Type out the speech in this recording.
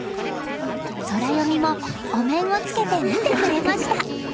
ソラよみもお面をつけて見てくれました。